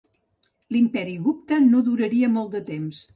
L'Imperi Gupta no duraria molt de temps.